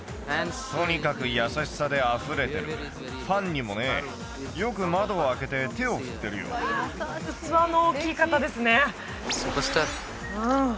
とにかく優しさであふれてるファンにもねよく窓を開けて手を振ってるよ器の大きい方ですね